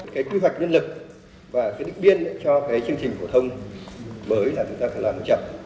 cái quy hoạch nhân lực và cái định biên cho cái chương trình phổ thông mới là chúng ta phải làm chậm